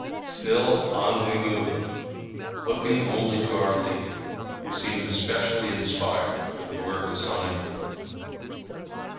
Still on we moved, looking only to our leader, who seemed especially inspired for the work assigned him.